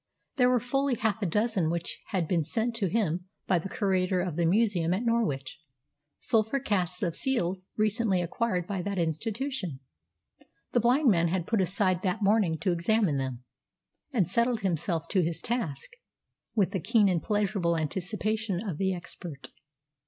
There were fully half a dozen which had been sent to him by the curator of the museum at Norwich, sulphur casts of seals recently acquired by that institution. The blind man had put aside that morning to examine them, and settled himself to his task with the keen and pleasurable anticipation of the expert.